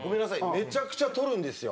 めちゃくちゃ撮るんですよ。